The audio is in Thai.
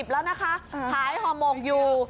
แล้วนะคะหายอมมกอยู่